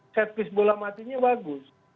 set piece bola matinya bagus